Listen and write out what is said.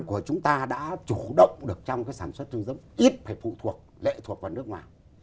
của chúng ta đã chủ động được trong cái sản xuất tôm giống ít phải phụ thuộc lệ thuộc vào nước ngoài